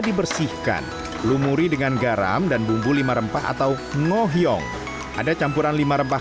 dibersihkan lumuri dengan garam dan bumbu lima rempah atau ngoyong ada campuran lima rempah